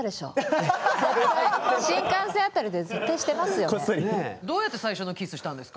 新幹線あたりで絶対してますよね。